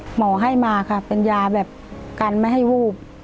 หมอให้มาค่ะเป็นยาแบบกันไม่ให้วูบ